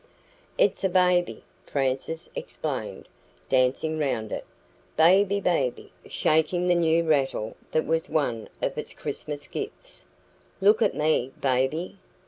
"It's a baby," Frances explained, dancing round it. "Baby! Baby!" shaking the new rattle that was one of its Christmas gifts "look at me, baby!